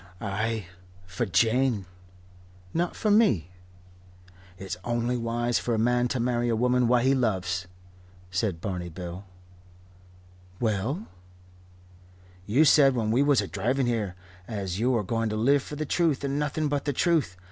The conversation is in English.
"Ay for Jane." "Not for me?" "It's only wise for a man to marry a woman what he loves," said Barney Bill. "Well?" "You said, when we was a driving here, as you are going to live for the Truth and nothing but the Truth.